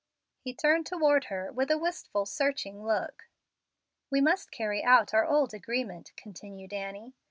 He turned toward her with a wistful, searching look. "We must carry out our old agreement," continued Annie.